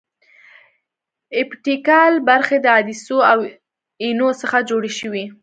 اپټیکل برخې د عدسیو او اینو څخه جوړې شوې.